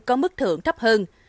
có mức thưởng thấp hơn